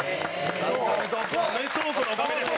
『アメトーーク』のおかげです！